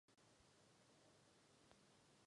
Ústředí Aliance je ve Štrasburku.